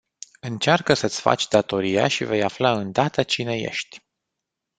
Încearcă să-ți faci datoria și vei afla îndată cine ești.